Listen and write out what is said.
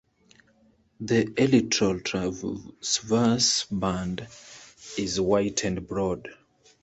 The elytral transverse band is white and broad.